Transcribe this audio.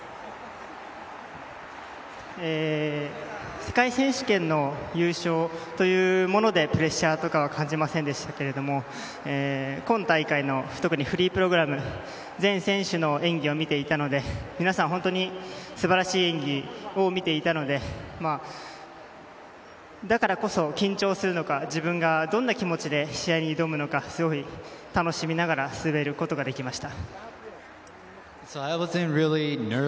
世界選手権の優勝というものでプレッシャーとかは感じませんでしたけど今大会の特にフリープログラムは全選手の演技を見ていたので皆さんの素晴らしい演技を見ていたのでだからこそ、緊張するのか自分がどんな気持ちで試合に挑むのかすごい楽しみながら滑ることができました。